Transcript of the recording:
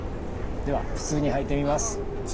では普通に履いてみます。